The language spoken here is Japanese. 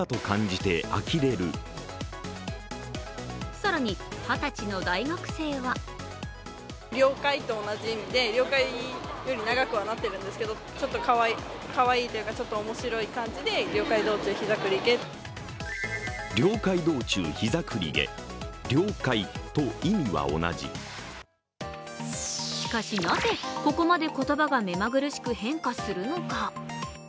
更に二十歳の大学生はしかしなぜ、ここまで言葉が目まぐるしく変化するのか。